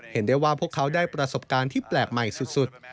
เห็นได้ว่าพวกเขาได้ประสบการณ์ที่แปลกใหม่สุด